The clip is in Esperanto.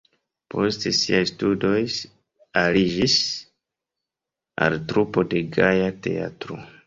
Post siaj studoj ŝi aliĝis al trupo de Gaja Teatro.